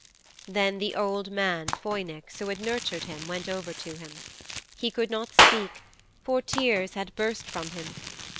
'Then the old man Phoinix who had nurtured him went over to him. He could not speak, for tears had burst from him.